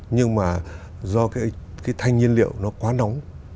nhưng mà do cái thanh nhiên liệu nó quá nóng